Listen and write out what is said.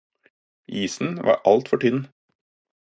Isen var alt for tynn.